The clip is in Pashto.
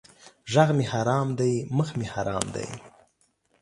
ږغ مې حرام دی مخ مې حرام دی!